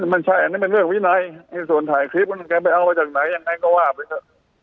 มันใช่อันนี้เป็นเรื่องวินัยในส่วนถ่ายคลิปมันแกไปเอามาจากไหนยังไงก็ว่าไปเถอะ